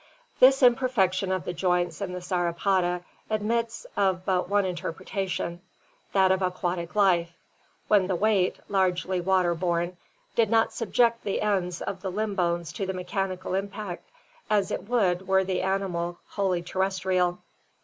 This imperfection of the joints in the Sauropoda admits of but one interpretation, that of aquatic life, when the weight, largely water borne, did not subject the ends of the limb bones to the mechanical impact as it would were the animal wholly terrestrial.